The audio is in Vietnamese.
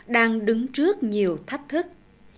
đang đứng trước nhiều thách thức